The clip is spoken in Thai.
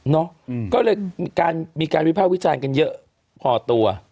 เนอะก็เลยมีการวิภาพวิจัยกันเยอะพอตัว